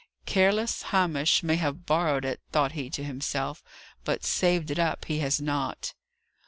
"Careless Hamish may have borrowed it," thought he to himself, "but saved it up he has not."